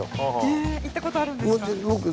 行った事あるんですか？